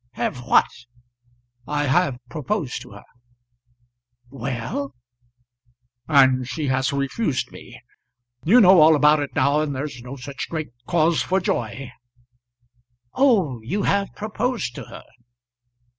"Have what?" "I have proposed to her." "Well?" "And she has refused me. You know all about it now, and there's no such great cause for joy." "Oh, you have proposed to her.